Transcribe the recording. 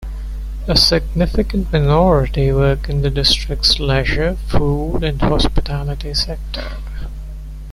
A significant minority work in the district's leisure, food and hospitality sector.